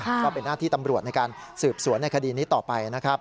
ก็เป็นหน้าที่ตำรวจในการสืบสวนในคดีนี้ต่อไปนะครับ